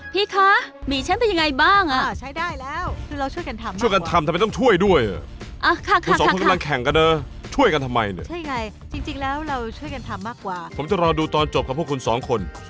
พี่คะหมีฉันเป็นยังไงบ้าง